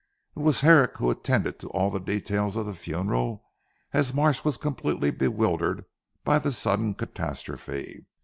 It was Herrick who attended to all the details of the funeral, as Marsh was completely bewildered by the sudden catastrophe.